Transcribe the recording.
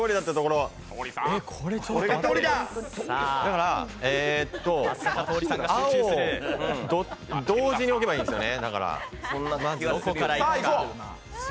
だから青を同時に置けばいいんですよね。